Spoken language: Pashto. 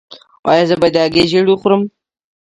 ایا زه باید د هګۍ ژیړ وخورم؟